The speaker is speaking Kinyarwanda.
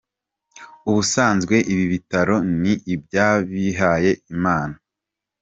Ubusanzwe ibi bitaro ni iby’abihaye Imana.